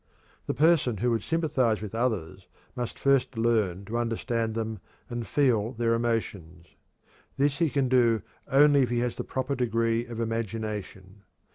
The person who would sympathize with others must first learn to understand them and feel their emotions. This he can do only if he has the proper degree of imagination.